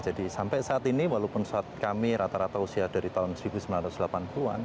jadi sampai saat ini walaupun saat kami rata rata usia dari tahun seribu sembilan ratus delapan puluh an